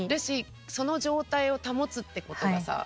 その状態を保つってことがさ